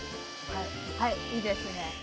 はいいいですね。